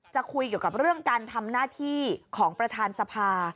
จะคุยเกี่ยวกับเรื่องการทำหน้าที่ของประธานสภา